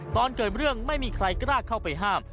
ตอนเกิดเรื่องไม่มีใครกล้าเข้าไปห้าม